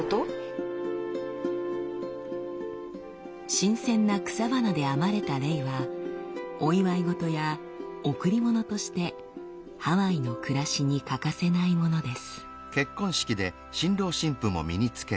新鮮な草花で編まれたレイはお祝い事や贈り物としてハワイの暮らしに欠かせないものです。